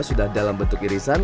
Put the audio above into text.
sudah dalam bentuk irisan